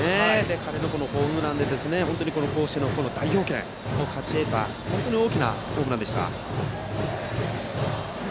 彼のホームランで甲子園の代表権を勝ち得た大きなホームランでした。